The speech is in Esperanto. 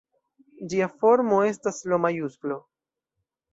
Ĝia formo estas L-majusklo.